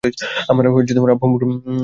আমার আব্বু-আম্মুর লাশের কথা বলছি।